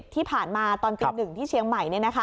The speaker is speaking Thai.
ที่ผ่านมาตอนตี๑ที่เชียงใหม่